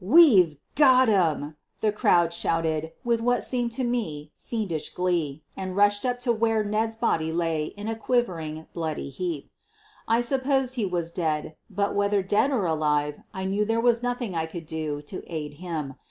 "We've got him! ,, the crowd shouted with what seemed to me fiendish glee, and rushed up to where Ned's body lay in a quivering, bloody heap. I supposed he was dead, but, whether dead or alive, I knew there was nothing I could do to aid him.